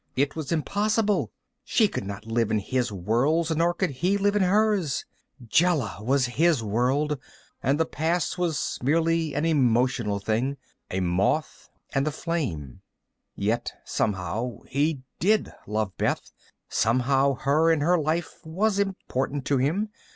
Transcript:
It was impossible. She could not live in his worlds, nor could he live in hers. Jela was his world and the past was merely an emotional thing. A moth and the flame. Yet ... somehow, he did love Beth. Somehow her and her life was important to him.